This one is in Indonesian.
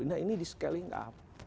nah ini di scaling up